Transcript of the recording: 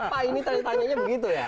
apa ini tanya tanyanya begitu ya